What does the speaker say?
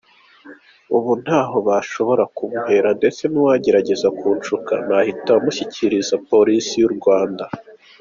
Ubu ntaho bashobora kumpera ndetse n’uwagerageza kunshuka nahita mushyikiriza Polisi y’u Rwanda.”